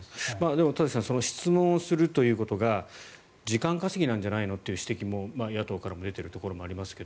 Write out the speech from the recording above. でも田崎さん質問するということが時間稼ぎなんじゃないのという指摘も野党から出ているところもありますが